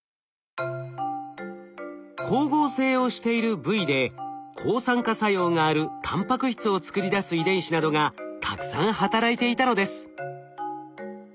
光合成をしている部位で抗酸化作用があるタンパク質を作り出す遺伝子などがたくさん働いていたのです。